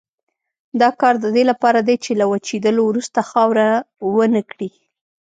دا کار د دې لپاره دی چې له وچېدلو وروسته خاوره ونه کړي.